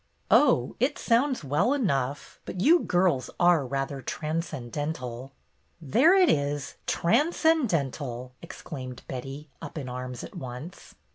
"Oh, it sounds well enough. But you girls are rather transcendental." "There it is! 'Transcendental'!" ex claimed Betty, up in arms at once.